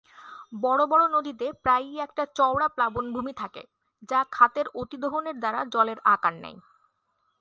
বড়ো বড়ো নদীতে প্রায়ই একটা চওড়া প্লাবনভূমি থাকে যা খাতের অতি-দোহনের দ্বারা জলের আকার নেয়।